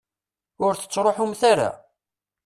Ur tettruḥumt ara?